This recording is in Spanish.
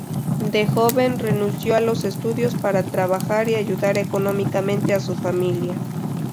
De joven, renunció a los estudios para trabajar y ayudar económicamente a su familia.